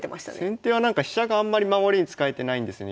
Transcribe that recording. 先手は飛車があんまり守りに使えてないんですよね。